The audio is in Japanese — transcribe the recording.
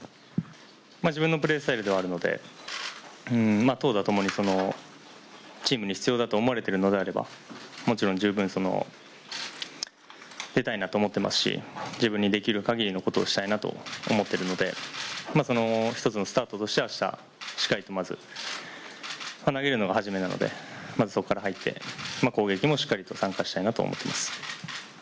自分のプレースタイルではあると思うので、投打ともにチームに必要だと思われているのであれば、もちろん十分に出たいなと思ってますし自分にできるかぎりのことをしたいなと思っているので、そのひとつのスタートとして明日、しっかりとまず投げるのが始めなのでまずそこから入って、攻撃もしっかりと参加したいなと思ってます。